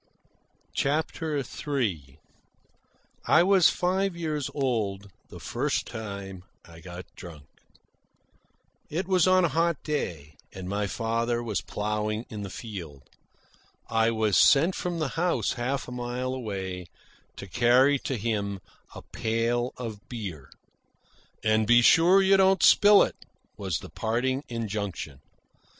CHAPTER III I was five years old the first time I got drunk. It was on a hot day, and my father was ploughing in the field. I was sent from the house, half a mile away, to carry to him a pail of beer. "And be sure you don't spill it," was the parting injunction.